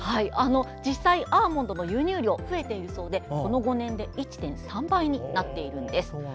実際アーモンドの輸入は増えているそうでこの５年で１．３倍になっているんです。